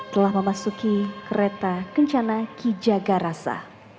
telah memasuki kereta kencana ki jagarasa